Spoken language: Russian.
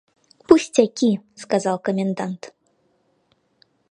«Пустяки! – сказал комендант.